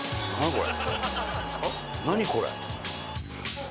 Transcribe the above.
これ。